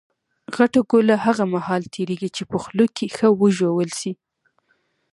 غټه ګوله هغه مهال تېرېږي، چي په خوله کښي ښه وژول سي.